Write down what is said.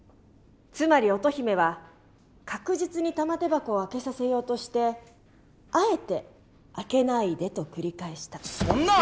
つまり乙姫は確実に玉手箱を開けさせようとしてあえて「開けないで」と繰り返した。